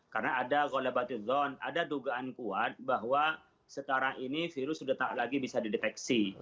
karena ada golebatizon ada dugaan kuat bahwa sekarang ini virus sudah tak lagi bisa didepeksi